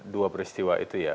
dua peristiwa itu ya